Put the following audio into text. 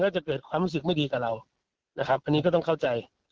ก็จะเกิดความรู้สึกไม่ดีกับเราอันนี้ก็ต้องเข้าใจ